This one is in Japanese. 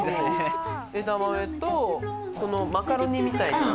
エダマメとこのマカロニみたいな。